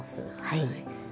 はい。